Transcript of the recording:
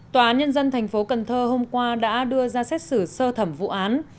tòa án nhân dân thành phố cần thơ hôm qua đã đưa ra xét xử sơ thẩm vụ án